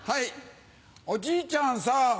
おじいちゃんさ